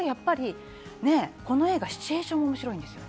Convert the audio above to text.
この映画、シチューションも面白いです。